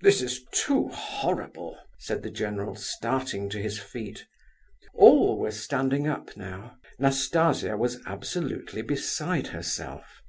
"This is too horrible," said the general, starting to his feet. All were standing up now. Nastasia was absolutely beside herself.